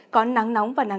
có nắng nóng và nắng nóng